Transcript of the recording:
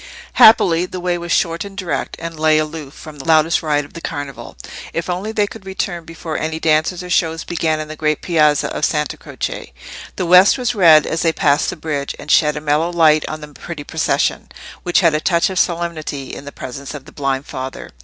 Happily the way was short and direct, and lay aloof from the loudest riot of the Carnival, if only they could return before any dances or shows began in the great piazza of Santa Croce. The west was red as they passed the bridge, and shed a mellow light on the pretty procession, which had a touch of solemnity in the presence of the blind father.